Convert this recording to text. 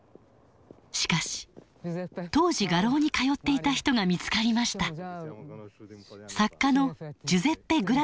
しかし当時画廊に通っていた人が見つかりました。